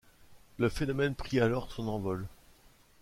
Le phénomène prit alors sont envol.